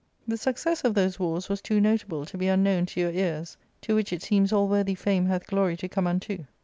The success of those wars was too notable to be unknown to your ears, to which it seems all worthy fame hath glory to come unto.